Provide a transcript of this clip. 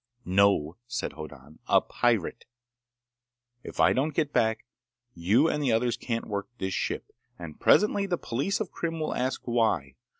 "No," said Hoddan. "A pirate. If I don't get back, you and the others can't work this ship, and presently the police of Krim will ask why.